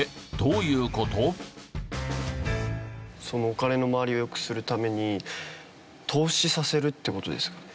お金の回りをよくするために投資させるって事ですかね？